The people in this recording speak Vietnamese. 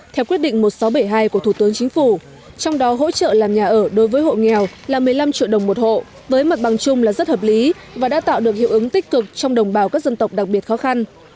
theo quyết định một nghìn sáu trăm bảy mươi hai của thủ tướng chính phủ trong đó hỗ trợ làm nhà ở đối với hộ nghèo là một mươi năm triệu đồng một hộ với mặt bằng chung là rất hợp lý và đã tạo được hiệu ứng tích cực trong đồng bào các dân tộc đặc biệt khó khăn